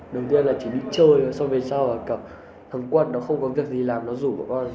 đầu tiên là chỉ đi chơi xong về sau là thằng quân nó không có việc gì làm nó rủ bọn con